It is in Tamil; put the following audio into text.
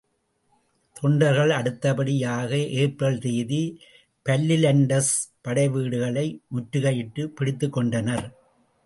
தொண்டர்கள்.அடுத்தபடியாக ஏப்ரல் ம் தேதி பல்லிலண்டர்ஸ் படைவீடுகளை முற்றுகையிட்டுப் பிடித்துக் கொண்டனர்.